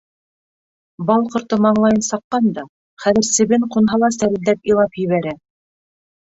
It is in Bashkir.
Бал ҡорто маңлайын саҡҡан да, хәҙер себен ҡунһа ла сәрелдәп илап ебәрә.